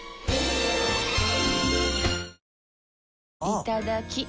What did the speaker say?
いただきっ！